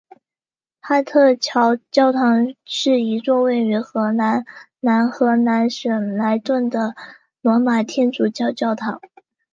哈特桥教堂是一座位于荷兰南荷兰省莱顿的罗马天主教教堂。